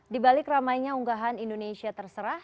di balik ramainya unggahan indonesia terserah